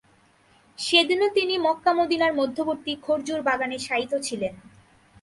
সেদিনও তিনি মক্কা-মদীনার মধ্যবর্তী খর্জুর বাগানে শায়িত ছিলেন।